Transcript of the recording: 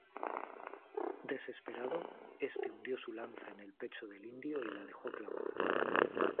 Desesperado, este hundió su lanza en el pecho del indio y la dejó clavada.